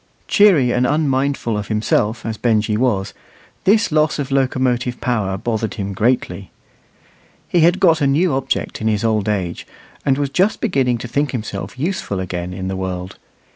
Cheery and unmindful of himself, as Benjy was, this loss of locomotive power bothered him greatly. He had got a new object in his old age, and was just beginning to think himself useful again in the world.